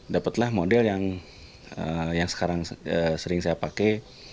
dapatlah model yang sekarang sering saya pakai